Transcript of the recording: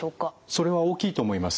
それは大きいと思います。